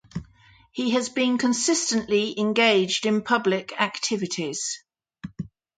He has been consistently engaged in public activities.